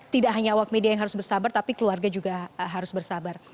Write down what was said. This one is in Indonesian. tidak hanya awak media yang harus bersabar tapi keluarga juga harus bersabar